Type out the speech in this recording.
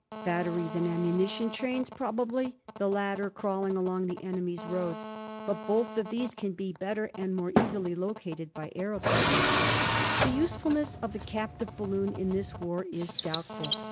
Batteries and ammunition trains, probably, the latter crawling along the enemy's roads. But both of these can be better and more easily located by aëroplanes. The usefulness of the captive balloon in this war is doubtful.